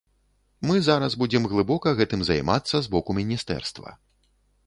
Мы зараз будзем глыбока гэтым займацца з боку міністэрства.